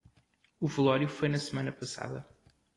O velório foi na semana passada.